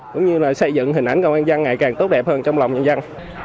cũng như là xây dựng hình ảnh công an dân ngày càng tốt đẹp hơn trong lòng nhân dân